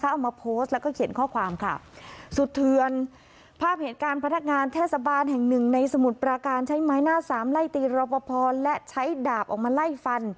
เอามาโพสต์แล้วก็เขียนข้อความค่ะสุดเทือนภาพเหตุการณ์พนักงานเทศบาลแห่งหนึ่งในสมุทรปราการใช้ไม้หน้าสามไล่ตีรอปภและใช้ดาบออกมาไล่ฟัน